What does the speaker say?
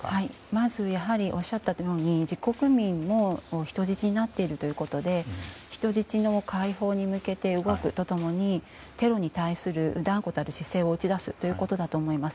まずおっしゃったように自国民も人質になっているということで人質の解放に向けて動くと共にテロに対する断固たる姿勢を打ち出すということだと思います。